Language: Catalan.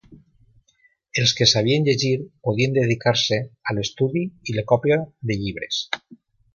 Els que sabien llegir podien dedicar-se a l'estudi i la còpia de llibres.